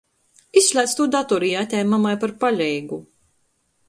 Izslēdz tū datori i atej mamai par paleigu!